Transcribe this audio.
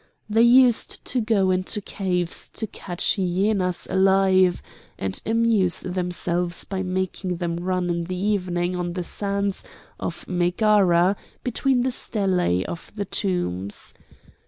They used to go into caves to catch hyenas alive, and amuse themselves by making them run in the evening on the sands of Megara between the stelæ of the tombs.